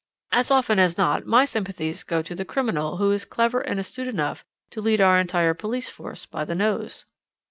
As often as not my sympathies go to the criminal who is clever and astute enough to lead our entire police force by the nose.